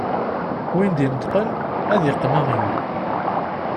Win d-ineṭqen, ad iqqen aɣyul.